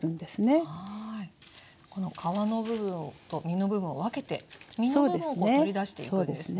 この皮の部分と実の部分を分けて実の部分を取り出していくんですね